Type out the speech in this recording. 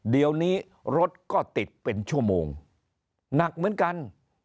เดี๋ยวนี้รถก็ติดเป็นชั่วโมงหนักเหมือนกัน